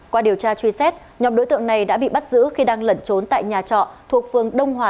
qua điều tra truy xét nhóm đối tượng này đã bị bắt giữ khi đang lẩn trốn tại nhà trọ thuộc phường đông hòa